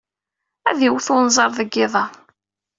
Ad d-iwet wenẓar deg yiḍ-a.